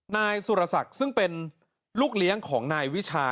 นายสุรศักดิ์ซึ่งเป็นลูกเลี้ยงของนายวิชา